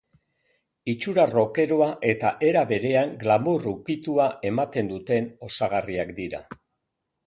Itxura rockeroa eta era berean glamour ukitua ematen duten osagarriak dira.